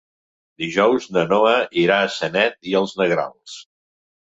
Dijous na Noa irà a Sanet i els Negrals.